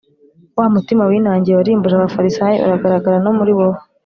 wa mutima winangiye warimbuje abafarisayo, uragaragara no muri wowe